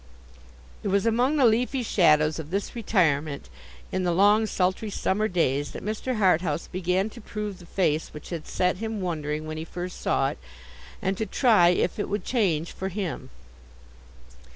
It was among the leafy shadows of this retirement, in the long sultry summer days, that Mr. Harthouse began to prove the face which had set him wondering when he first saw it, and to try if it would change for him.